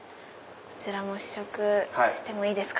こちらも試食してもいいですか？